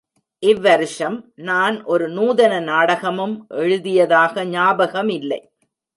இவ்வருஷம் நான் ஒரு நூதன நாடகமும் எழுதியதாக ஞாபகமில்லை.